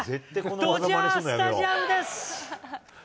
ドジャースタジアムです。